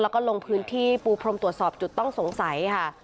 แล้วก็ลงพื้นที่ปูพรมตรวจสอบจุดต้องสงสัยค่ะ